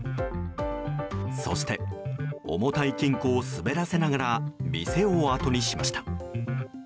そして、重たい金庫を滑らせながら店をあとにしました。